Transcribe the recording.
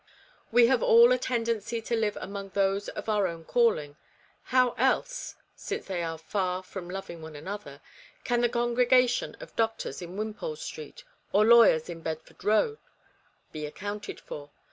We have all a tendency to live among those of our own REBECCAS REMORSE. 199 calling how else (since they are far from loving one another) can the congregation of doctors in Wimpole Street, or lawyers in Bedford Row, be accounted for